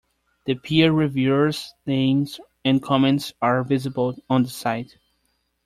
The peer reviewer's names and comments are visible on the site.